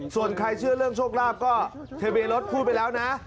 ส่วนใครเชื่อเรื่องโชคลาภก็ทะเบียนรถพูดไปแล้วนะ